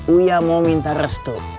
uya mau minta restu